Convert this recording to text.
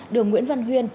đường nguyễn văn huyên